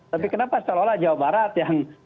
tapi kenapa seolah olah jawa barat yang